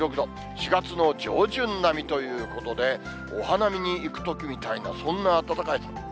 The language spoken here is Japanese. ４月の上旬並みということで、お花見に行くときみたいな、そんな暖かさ。